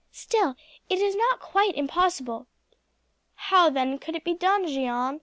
Still it is not quite impossible." "How then could it be done, Jeanne?